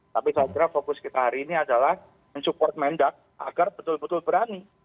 tapi saya kira fokus kita hari ini adalah mensupport mendak agar betul betul berani